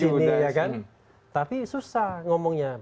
mengindir ke sini ya kan tapi susah ngomongnya